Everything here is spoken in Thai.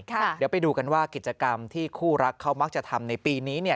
เดี๋ยวไปดูกันว่ากิจกรรมที่คู่รักเขามักจะทำในปีนี้